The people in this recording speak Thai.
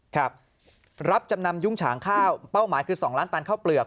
ครับรับจำนำยุ้งฉางข้าวเป้าหมายคือ๒ล้านตันข้าวเปลือก